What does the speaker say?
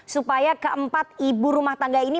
supaya keempat ibu rumah tangga ini